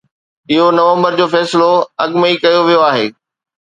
اهو نومبر جو فيصلو اڳ ۾ ئي ڪيو ويو آهي.